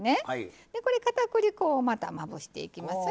これかたくり粉をまたまぶしていきます。